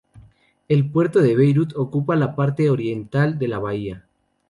El puerto de Beirut ocupa la parte oriental de la bahía.